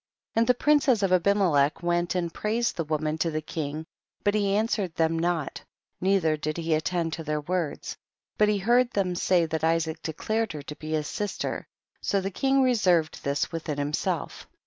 5. And the princes of Abimelech went and praised the woman to the king, but he answered them net, nei ther did he attend to their words. 6. But he heard them say that Isaac declared her to be his sister, so the king reserved this within him self.